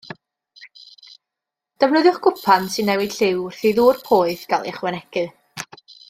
Defnyddiwch gwpan sy'n newid lliw wrth i ddŵr poeth gael ei ychwanegu.